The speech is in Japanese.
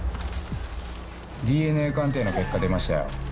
ＤＮＡ鑑定の結果出ましたよ。